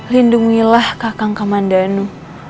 lindungilah kakang kamandianu